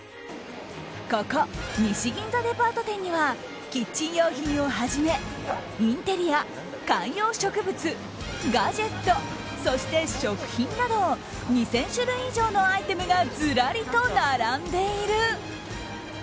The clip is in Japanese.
ここ、西銀座デパート店にはキッチン用品をはじめインテリア、観葉植物ガジェット、そして食品など２０００種類以上のアイテムがずらりと並んでいる。